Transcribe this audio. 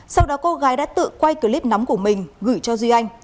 sau đó cô gái đã tự quay clip nóng của mình gửi cho duy anh